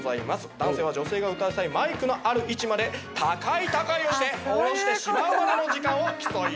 男性は女性が歌う際マイクのある位置まで高い高いをして下ろしてしまうまでの時間を競います。